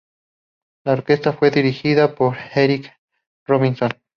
La orquesta fue dirigida por Eric Robinson.